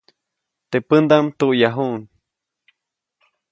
Teʼ pändaʼm tuʼyajuʼuŋ.